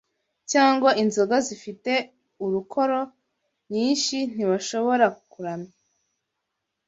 cyangwa inzoga zifite alukoro nyinshi ntibashobora kuramya